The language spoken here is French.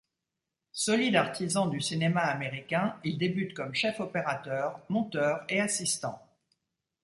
Solide artisan du cinéma américain il débute comme chef opérateur, monteur et assistant.